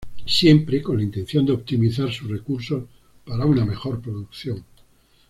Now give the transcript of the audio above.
Siempre con la intención de optimizar sus recursos para una mejor producción.